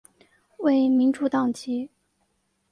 为民主党籍。